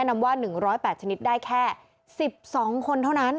มีได้แค่๑๒คนเท่านั้น